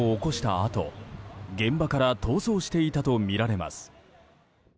あと現場から逃走していたとみられます。